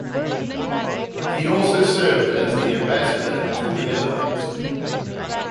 He also served as the ambassador to the Netherlands.